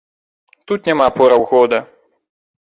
Тут няма пораў года.